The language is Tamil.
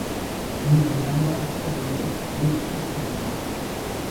இந்த உடம்பாகிய வீடு உயிர்க்குச் சொந்தமா?